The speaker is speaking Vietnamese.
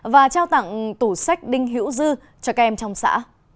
và trao tặng tủ sách đinh hữu dư cho các em trong xã